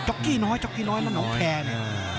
จ๊อกกี้น้อยจ๊อกกี้น้อยมันเอาแก่นี่